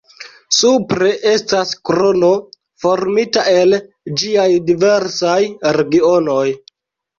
Supre estas krono formita el ĝiaj diversaj regionoj.